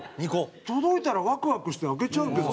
届いたらワクワクして開けちゃうけどな。